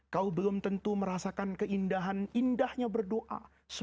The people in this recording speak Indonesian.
kau belum tentu merasakan keindahan indahnya berdoa